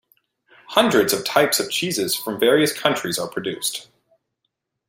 Hundreds of types of cheese from various countries are produced.